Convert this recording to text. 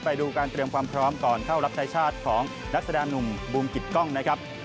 ไปดูการเตรียมความพร้อมก่อนเข้ารับชายชาติของนักแสดงหนุ่มบูมกิตกล้องนะครับ